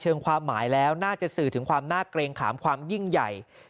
ความหมายแล้วน่าจะสื่อถึงความน่าเกรงขามความยิ่งใหญ่